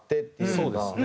そうですね。